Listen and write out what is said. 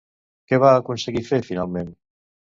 Què va aconseguir fer, finalment?